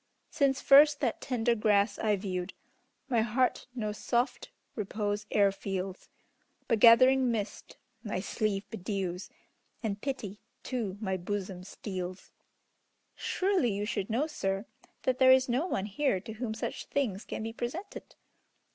Since first that tender grass I viewed, My heart no soft repose e'er feels, But gathering mist my sleeve bedews, And pity to my bosom steals." "Surely you should know, sir, that there is no one here to whom such things can be presented!"